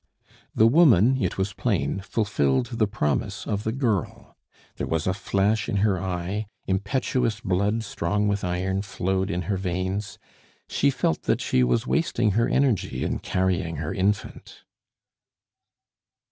The woman, it was plain, fulfilled the promise of the girl; there was a flash in her eye; impetuous blood, strong with iron, flowed in her veins; she felt that she was wasting her energy in carrying her infant.